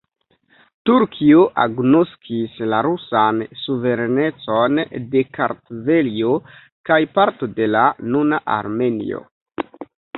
Turkio agnoskis la rusan suverenecon de Kartvelio kaj parto de la nuna Armenio.